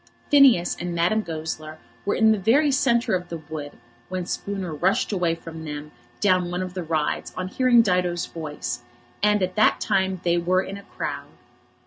Phineas and Madame Goesler were in the very centre of the wood when Spooner rushed away from them down one of the rides on hearing Dido's voice; and at that time they were in a crowd.